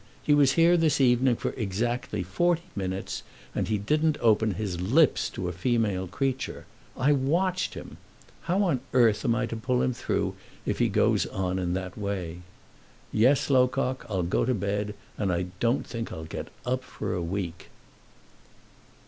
He was here this evening for exactly forty minutes, and he didn't open his lips to a female creature. I watched him. How on earth am I to pull him through if he goes on in that way? Yes, Locock, I'll go to bed, and I don't think I'll get up for a week."